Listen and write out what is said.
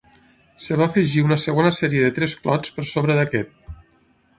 Es va afegir una segona serie de tres clots per sobre d'aquest.